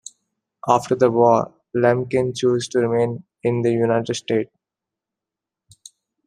After the war, Lemkin chose to remain in the United States.